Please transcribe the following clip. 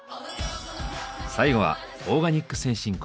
最後はオーガニック先進国